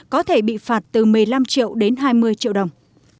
có thể bị phạt từ một mươi năm triệu đến hai mươi triệu đồng